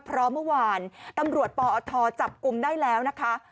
เพราะเมื่อวานตำรวจปอทจับกลุ่มได้แล้วนะคะ